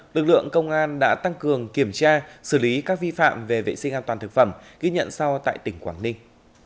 lực lượng công an đã tăng cường kiểm tra xử lý các vi phạm về vệ sinh an toàn thực phẩm ghi nhận sau tại tỉnh quảng ninh